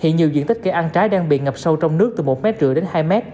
hiện nhiều diện tích cây ăn trái đang bị ngập sâu trong nước từ một m ba mươi đến hai m